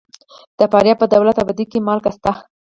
د فاریاب په دولت اباد کې مالګه شته.